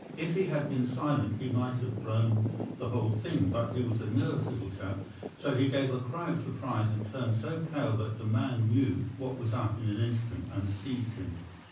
If he had been silent he might have blown the whole thing, but he was a nervous little chap, so he gave a cry of surprise and turned so pale that the man knew what was up in an instant and seized him.